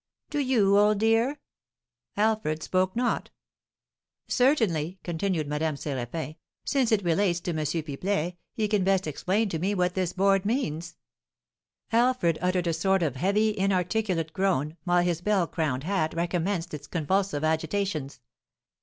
Do you, old dear?" Alfred spoke not. "Certainly," continued Madame Séraphin, "since it relates to M. Pipelet, he can best explain to me what this board means." Alfred uttered a sort of heavy, inarticulate groan, while his bell crowned hat recommenced its convulsive agitations.